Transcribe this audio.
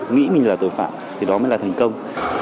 nghĩ mình là tội phạm thì đó mới là thành công